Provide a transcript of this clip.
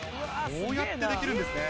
こうやってできるんですね。